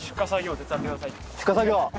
出荷作業。